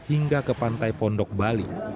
hingga ke pantai pondok bali